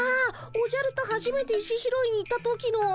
おじゃるとはじめて石拾いに行った時の？